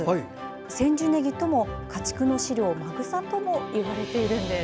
千住ねぎとも家畜の飼料馬草ともいわれているんです。